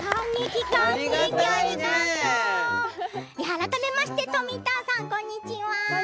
改めまして富田さんこんにちは。